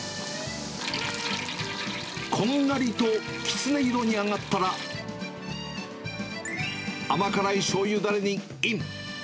こんがりときつね色に揚がったら、甘辛いしょうゆだれにイン。